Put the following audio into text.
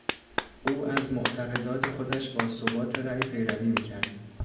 او از معتقدات خودش با ثبات رای پیروی میکرد.